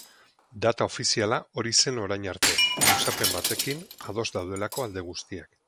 Data ofiziala hori zen orain arte, luzapen batekin ados daudelako alde guztiak.